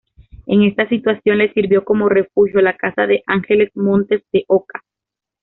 En esta situación le sirvió como refugio la casa de Ángeles Montes de Oca.